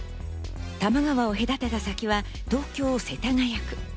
多摩川を隔てた先は東京・世田谷区。